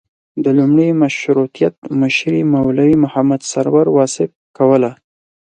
د لومړي مشروطیت مشري مولوي محمد سرور واصف کوله.